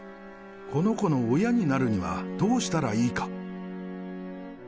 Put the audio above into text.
この子の親になるには、どうしたらいいか。